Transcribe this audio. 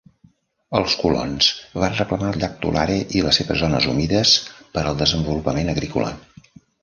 Els colons van reclamar el llac Tulare i les seves zones humides per al desenvolupament agrícola.